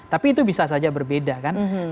tapi itu bisa saja berbeda kan